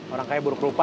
orang kaya buruk rupa